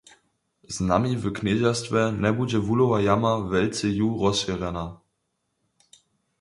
Z nami w knježerstwje njebudźe wuhlowa jama Wjelcej-juh rozšěrjena.